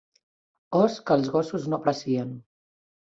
Os que els gossos no aprecien.